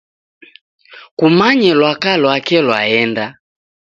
Kumanye lwaka lwake lwaenda.